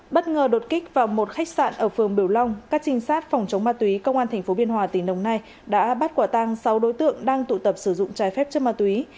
bất ngờ đột kích vào một khách sạn ở phường biểu long các trinh sát phòng chống ma túy công an tp biên hòa tỉnh đồng nai đã bắt quả tang sáu đối tượng đang tụ tập sử dụng trái phép chất ma túy